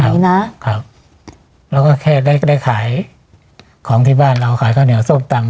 แบบนี้น่ะครับแล้วก็แค่ได้ได้ขายของที่บ้านเราขายข้าวเหนียวสูบต่ำ